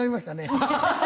ハハハハ！